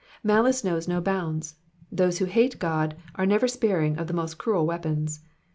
Malice knows no bounds. Those who hate God are never sparing of the most cruel weapons.